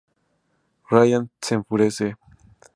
Ryan se enfurece.